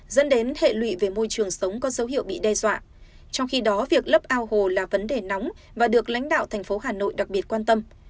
dẫn đến hệ lụy về môi trường sống có dấu hiệu bị đe dọa trong khi đó việc lấp ao hồ là vấn đề nóng và được lãnh đạo thành phố hà nội đặc biệt quan tâm